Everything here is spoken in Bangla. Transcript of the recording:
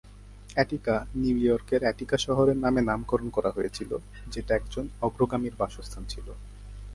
অ্যাটিকা নিউ ইয়র্কের অ্যাটিকা শহরের নামে নামকরণ করা হয়েছিল, যেটা একজন অগ্রগামীর বাসস্থান ছিল।